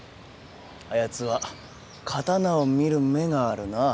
あやつは刀を見る目があるな。